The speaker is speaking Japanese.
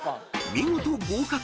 ［見事合格。